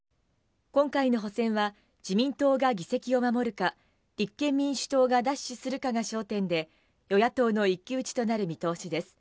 今回の補選は、自民党が議席を守るか、立憲民主党が奪取するかが焦点で、与野党の一騎打ちとなる見通しです。